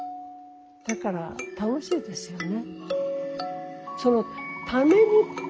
だから楽しいですよね。